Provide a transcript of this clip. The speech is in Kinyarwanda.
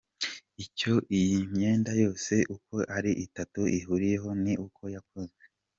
Icyo iyi myenda yose uko ari itatu ihuriyeho ni uko yakozwe